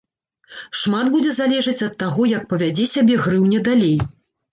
Шмат будзе залежыць ад таго, як павядзе сябе грыўня далей.